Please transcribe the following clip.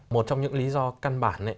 một trong những lý do căn bản